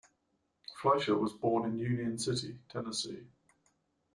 Fleisher was born in Union City, Tennessee.